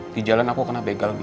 di jalan aku kena begal